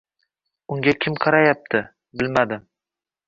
Unga kim qarayapti, bilmadim